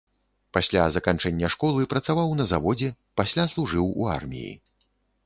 Пасля заканчэння школы працаваў на заводзе, пасля служыў у арміі.